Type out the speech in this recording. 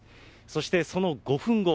そしてその５分後、